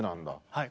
はい。